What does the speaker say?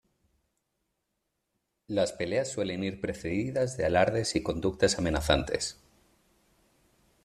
Las peleas suelen ir precedidas de alardes y conductas amenazantes.